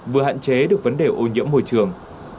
vừa hạn chế được vấn đề ô nhiễm môi trường